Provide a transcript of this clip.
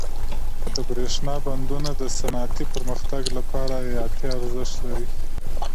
د برښنا بندونه د صنعتي پرمختګ لپاره حیاتي ارزښت لري.